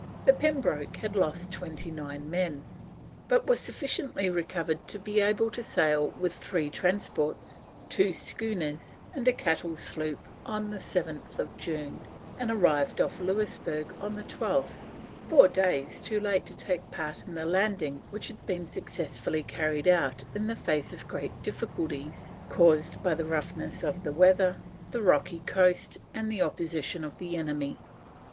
The Pembroke had lost 29 men, but was sufficiently recovered to be able to sail with 3 transports, 2 schooners, and a cattle sloop on 7th June, and arrived off Louisburg on the 12th, four days too late to take part in the landing which had been successfully carried out in the face of great difficulties caused by the roughness of the weather, the rocky coast, and the opposition of the enemy.